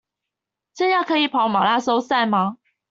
這樣可以跑馬拉松賽嗎？